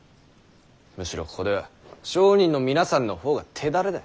むしろここでは商人の皆さんの方が手だれだ。